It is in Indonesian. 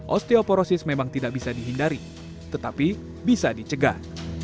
osteoporosis memang tidak bisa dihindari tetapi bisa dicegah